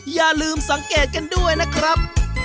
อย่าลืมสังเกตกันด้วยนะครับ